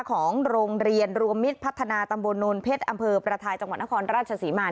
ของโรงเรียนรวมมิตรพัฒนาตำบลโนนเพชรอำเภอประทายจังหวัดนครราชศรีมา